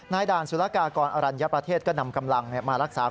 ด่านสุรกากรอรัญญประเทศก็นำกำลังมารักษา